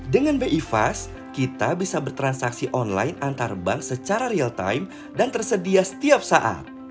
dengan bi fast kita bisa bertransaksi online antar bank secara real time dan tersedia setiap saat